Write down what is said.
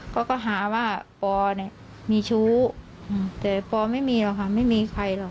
เค้าก็หาว่าพอมีชุแต่พอไม่มีหรอกคะไม่มีใครหรอกคะ